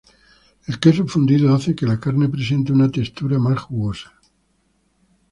El queso fundido hace que la carne presente una textura más jugosa.